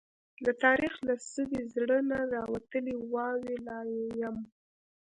د تاريخ له سوي زړه نه، راوتلې واوي لا يم